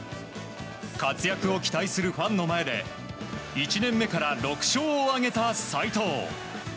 活躍を期待するファンの前で１年目から６勝を挙げた斎藤。